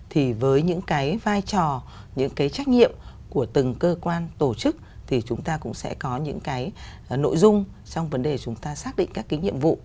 thì với những cái vai trò những cái trách nhiệm của từng cơ quan tổ chức thì chúng ta cũng sẽ có những cái nội dung trong vấn đề chúng ta xác định các cái nhiệm vụ